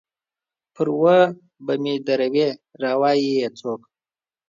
پر و به مې ته دروې ، را وا يي يې څوک؟